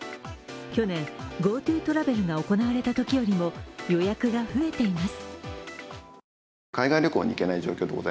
去年、ＧｏＴｏトラベルが行われたときよりも予約が増えています。